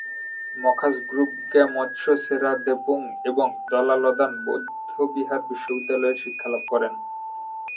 ম্খাস-গ্রুব-র্গ্যা-ম্ত্শো সে-রা, দ্রেপুং এবং দ্গা'-ল্দান বৌদ্ধবিহার বিশ্ববিদ্যালয়ে শিক্ষালাভ করেন।